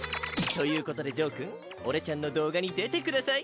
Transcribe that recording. ということでジョーくん俺ちゃんの動画に出てください！